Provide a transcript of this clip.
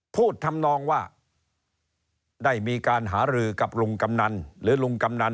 พูดทำนองว่าได้มีการหารือกับลุงกำนัน